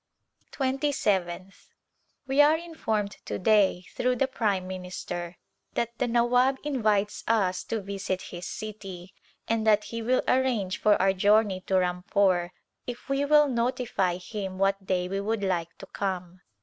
Twenty seventh. We are informed to day through the prime minister that the Nawab invites us to visit his city and that he will arrange for our journey to Rampore if w^e will notify him what day we would like to come.